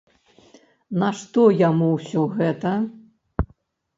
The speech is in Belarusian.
Нашто яму ўсё гэта?